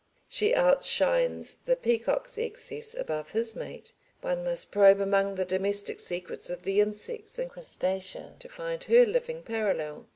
She outshines the peacock's excess above his mate, one must probe among the domestic secrets of the insects and crustacea to find her living parallel.